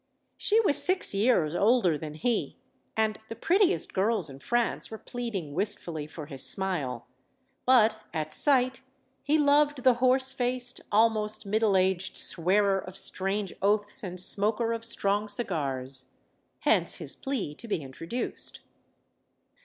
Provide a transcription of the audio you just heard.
She was six years older than he, and the prettiest girls in France were pleading wistfully for his smile. But, at sight, he loved the horse faced, Almost middle aged swearer of strange oaths and smoker of strong cigars. Hence his plea to be intro duced.